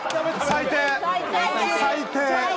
最低！